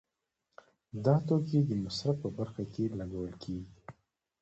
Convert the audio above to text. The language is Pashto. دا توکي د مصرف په برخه کې لګول کیږي.